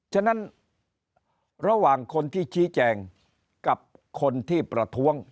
ฉะนั้นระหว่างคนที่ชี้แจงกับคนที่ประท้วง